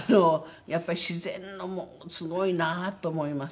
やっぱり自然のすごいなと思います。